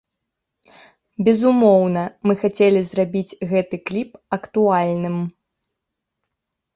Безумоўна, мы хацелі зрабіць гэты кліп актуальным.